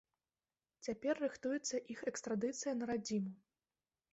Цяпер рыхтуецца іх экстрадыцыя на радзіму.